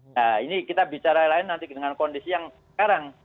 nah ini kita bicara lain nanti dengan kondisi yang sekarang